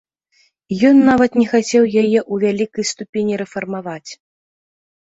Ён нават не хацеў яе ў вялікай ступені рэфармаваць.